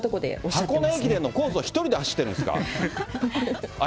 箱根駅伝のコースを１人で走ってるんですか？